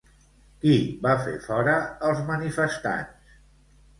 Qui va fer fora als manifestants?